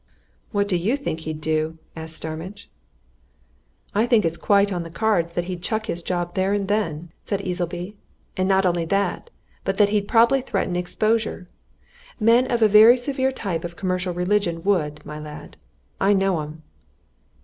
"What do you think he'd do?" asked Starmidge. "I think it's quite on the cards that he'd chuck his job there and then," said Easleby, "and not only that, but that he'd probably threaten exposure. Men of a very severe type of commercial religion would, my lad! I know 'em!"